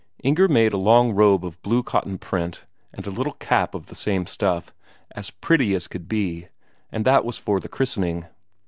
Inger made a long robe of blue cotton print, and a little cap of the same stuff, as pretty as could be and that was for the christening.